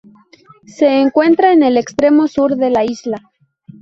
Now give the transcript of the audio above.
Se encuentra en el extremo sur de la isla.